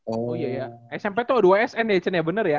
oh iya ya smp tuh o dua sn ya cun ya bener ya